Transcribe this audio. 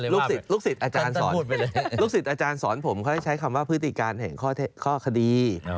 ลูกศิษย์ลูกศิษย์อาจารย์สอนลูกศิษย์อาจารย์สอนผมเขาจะใช้คำว่าพฤติการแห่งข้อคดี